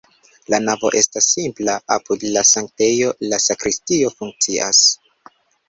La navo estas simpla, apud la sanktejo la sakristio funkcias.